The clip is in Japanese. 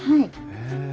へえ。